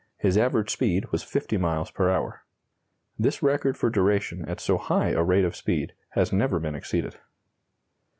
His average speed was 50 miles per hour. This record for duration at so high a rate of speed has never been exceeded.